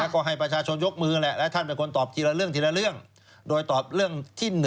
ก็ให้ประชาชนยกมือแหละและท่านเป็นคนตอบทีละเรื่องทีละเรื่องโดยตอบเรื่องที่๑